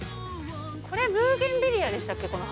これ、ブーゲンビリアでしたっけ、この花。